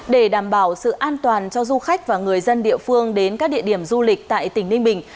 để đảm bảo sự an toàn cho du khách và người dân địa phương đến các địa điểm du lịch tại tỉnh ninh bình